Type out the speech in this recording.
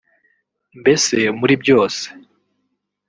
mbese muri byose